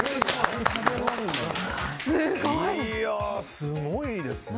すごいですね。